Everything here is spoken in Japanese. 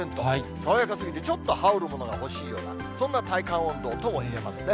爽やかすぎて、ちょっと羽織るものが欲しいような、そんな体感温度とも言えますね。